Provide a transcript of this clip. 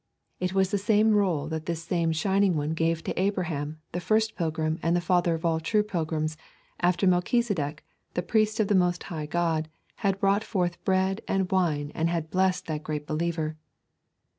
It was the same roll that this same Shining One gave to Abraham, the first pilgrim and the father of all true pilgrims, after Melchizedek, the priest of the Most High God, had brought forth bread and wine and had blessed that great believer.